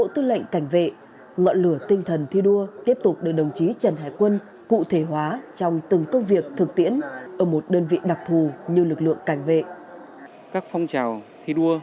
trong phong trào thi đua yêu nước chủ tịch hồ chí minh đã từng nói